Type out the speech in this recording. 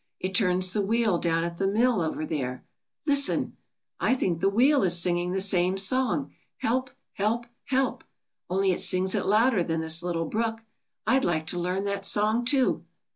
It turns the wheel down at the mill over there. Listen! I think the wheel is singing the same song, 'Help! help! help!' only it sings it louder than this little brook. I'd like to learn that song too."